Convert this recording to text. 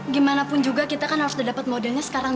gimanapun juga kita kan harus udah dapat modelnya sekarang